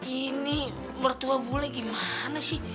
ini mertua bule gimana sih